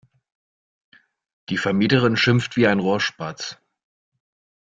Die Vermieterin schimpft wie ein Rohrspatz.